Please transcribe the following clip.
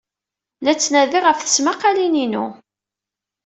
La ttnadiɣ ɣef tesmaqalin-inu